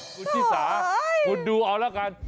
คุณชิสาคุณดูเอาแล้วกัน